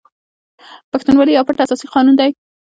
پښتونولي یو پټ اساسي قانون دی.